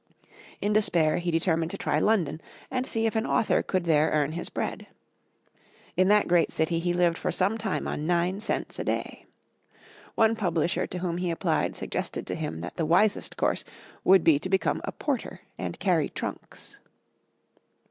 In despair he determined to try London, and see if an author could there earn his bread. In that great city he lived for some time on nine cents a day. One publisher to whom he applied suggested to him that the wisest course would be to become a porter and carry trunks.